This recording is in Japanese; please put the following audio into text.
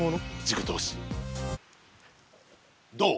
どう？